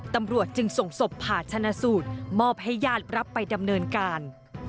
ตำรวจจึงส่งศพผ่าชนะสูตรมอบให้ญาติรับไปดำเนินการ